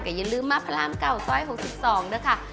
อย่าลืมมาพระรามเก่าซอย๖๒ด้วยค่ะ